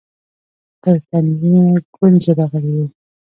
پر تندي يې گونځې راغلې وې.